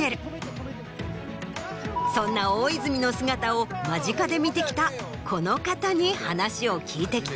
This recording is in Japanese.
そんな大泉の姿を間近で見てきたこの方に話を聞いてきた。